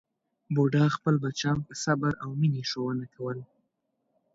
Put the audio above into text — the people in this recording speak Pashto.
بوډا خپل بچیان په صبر او مینې ښوونه کول.